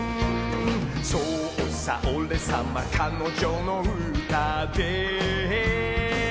「そうさおれさまかのじょのうたで」